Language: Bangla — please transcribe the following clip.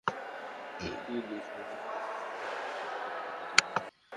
এসব কাজের জন্য সীমান্ত পারের মানুষ অবৈধভাবে সীমানা পারাপার করে থাকে।